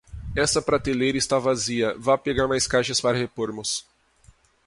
Esta prateleira está vazia, vá pegar mais caixas para repormos.